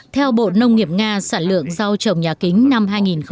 theo bộ nông nghiệp nga sản lượng rau trồng nhà kính năm hai nghìn một mươi tám